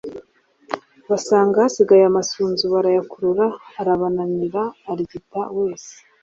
basanga hasigaye amasunzu. barayakurura, arabananira, arigita wese.